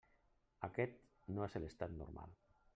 Aquest no és l'estat normal.